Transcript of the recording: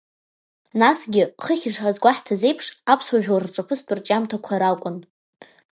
Насгьы, хыхь ишазгәаҳҭаз еиԥш, аԥсуа жәлар рҿаԥыцтә рҿиамҭақәа ракәын.